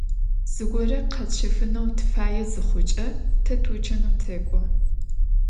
Zıgore khetşefıneu tıfaê zıxhuç'e te tuçanım tek'o.